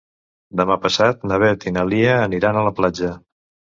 Demà passat na Beth i na Lia aniran a la platja.